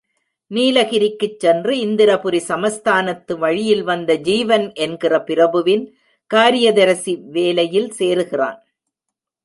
நீலகிரிக்குச் சென்று இந்திரபுரி சமஸ்தானத்து வழியில்வந்த ஜீவன் என்கிற பிரபுவின் காரியதரிசி வேலையில் சேருகிறான்.